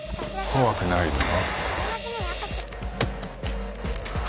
怖くないよ